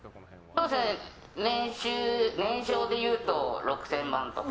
そうですね、年商でいうと６０００万とか。